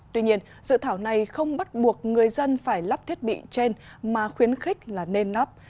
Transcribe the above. tuy nhiên dự thảo này không bắt buộc người dân phải lắp thiết bị trên mà khuyến khích là nên nắp